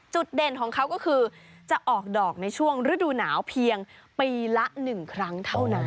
เด่นของเขาก็คือจะออกดอกในช่วงฤดูหนาวเพียงปีละ๑ครั้งเท่านั้น